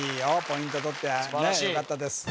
ポイントとってよかったです